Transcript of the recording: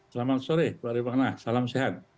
selamat sore pak rifana salam sehat